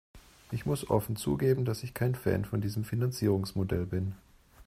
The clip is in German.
Ich muss offen zugeben, dass ich kein Fan von diesem Finanzierungsmodell bin.